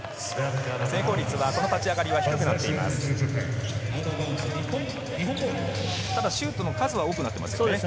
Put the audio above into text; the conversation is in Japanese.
成功率はこの立ち上がりは低くなっています。